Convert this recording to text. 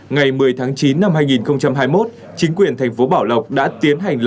ngày một mươi tháng chín năm hai nghìn hai mươi một chính quyền thành phố bảo lộc đã tiến hành lập